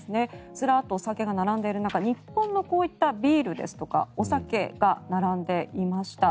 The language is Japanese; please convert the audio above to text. ずらっとお酒が並んでいる中日本のこういったビールですとかお酒が並んでいました。